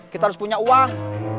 kita harus punya uang